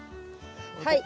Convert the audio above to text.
はい！